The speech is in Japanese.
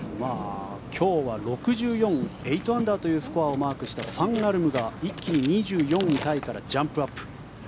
今日は６４、８アンダーというスコアをマークしたファン・アルムが一気に２４位タイからジャンプアップ。